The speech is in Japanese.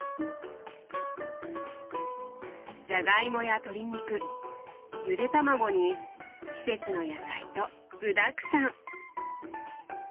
じゃがいもや鶏肉ゆで卵に季節の野菜と具だくさん。